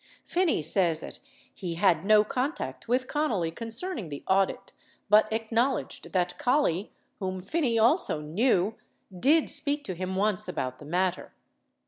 Phinney says that he had no contact with Connally concerning the audit, but acknowledged that Collie, whom Phinney also knew, did speak to him once about the matter.